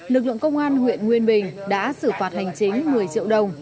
lực lượng công an huyện nguyên bình đã xử phạt hành chính một mươi triệu đồng